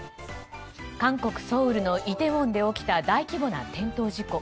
韓国ソウルのイテウォンで起きた大規模な転倒事故。